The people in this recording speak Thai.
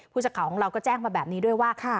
สักข่าวของเราก็แจ้งมาแบบนี้ด้วยว่า